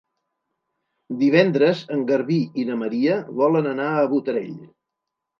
Divendres en Garbí i na Maria volen anar a Botarell.